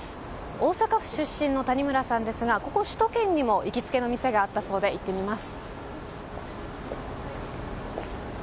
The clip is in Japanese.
大阪府出身の谷村さんですがここ首都圏にも行きつけの店があったそうで行ってみます。